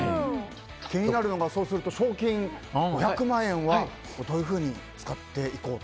気になるのが賞金５００万円はどういうふうに使っていこうと？